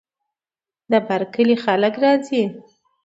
د بر کلي خلک راځي.